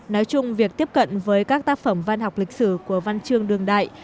nói chung việc tiếp cận với các tác phẩm văn học lịch sử của văn trương đường đại